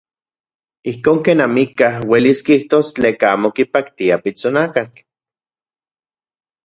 Ijkon ken amikaj uelis kijtos tleka amo kipaktia pitsonakatl.